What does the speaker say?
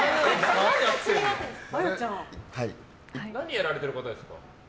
何やられてる方ですか？